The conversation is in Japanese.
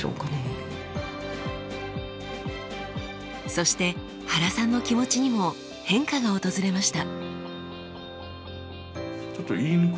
そして原さんの気持ちにも変化が訪れました。